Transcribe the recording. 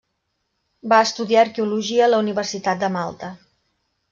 Va estudiar arqueologia a la Universitat de Malta.